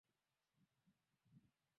inakumbana na kufungiwa kwa misaada